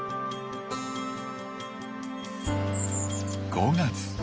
５月。